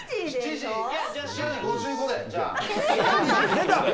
出た！